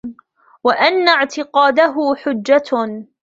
وَأَنَّ اعْتِقَادَهُ حُجَّةٌ